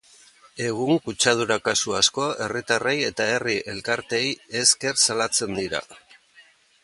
Egun, kutsadura kasu asko herritarrei eta herri elkarteei esker salatzen dira.